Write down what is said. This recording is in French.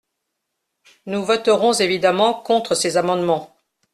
Nous voterons évidemment contre ces amendements.